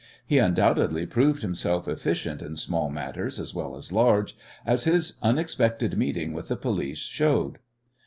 He undoubtedly proved himself efficient in small matters as well as in large, as his unexpected meeting with the police showed.